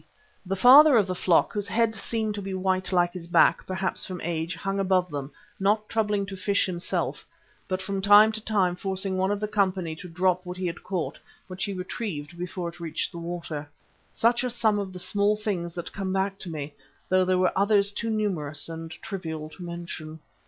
The father of the flock, whose head seemed to be white like his back, perhaps from age, hung above them, not troubling to fish himself, but from time to time forcing one of the company to drop what he had caught, which he retrieved before it reached the water. Such are some of the small things that come back to me, though there were others too numerous and trivial to mention.